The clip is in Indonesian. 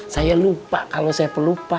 saya lupa kalau saya pelupa